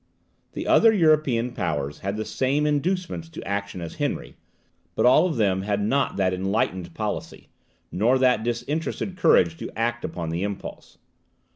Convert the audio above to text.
The other European powers had the same inducements to action as Henry, but all of them had not that enlightened policy, nor that disinterested courage to act upon the impulse.